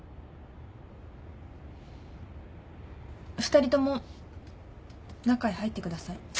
・２人とも中へ入ってください。